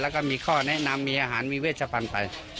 แล้วก็มีข้อแนะนำมีอาหารมีเวชพันธุ์ไป